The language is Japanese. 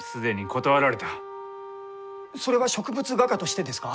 それは植物画家としてですか？